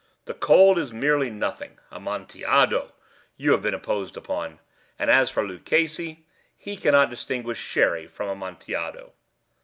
The cold is merely nothing. Amontillado! You have been imposed upon. And as for Luchesi, he cannot distinguish Sherry from Amontillado."